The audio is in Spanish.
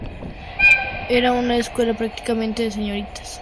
Era una escuela prácticamente de señoritas.